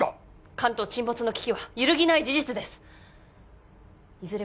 関東沈没の危機は揺るぎない事実ですいずれ